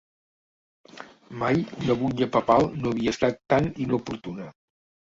Mai una butlla papal no havia estat tan inoportuna.